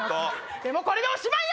でもこれでおしまいよ！